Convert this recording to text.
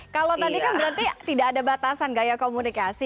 kalau tadi kan berarti tidak ada batasan gaya komunikasi